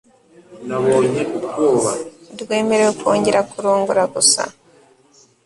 rwemerewe kongera kurongora gusa